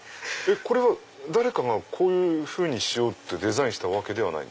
これは誰かがこうしようってデザインしたわけではない？